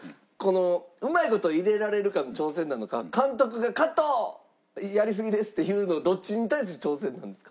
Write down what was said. うまい事入れられるかの挑戦なのか監督が「カット！やりすぎです」って言うのどっちに対する挑戦なんですか？